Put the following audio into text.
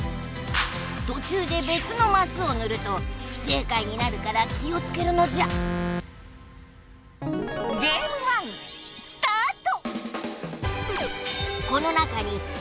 途中でべつのマスをぬると不正解になるから気をつけるのじゃスタート！